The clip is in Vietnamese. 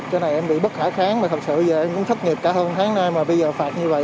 trên này em bị bất khả kháng mà thật sự giờ em cũng thất nghiệp cả hơn tháng nay mà bây giờ phạt như vậy